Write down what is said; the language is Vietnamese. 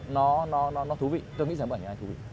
nó thú vị tôi nghĩ rằng bức ảnh này thú vị